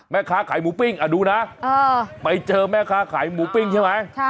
แม่ค้าขายหมูปิ้งดูนะไปเจอแม่ค้าขายหมูปิ้งใช่ไหม